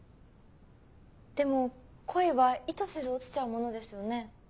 でも恋は意図せず落ちちゃうものですよね？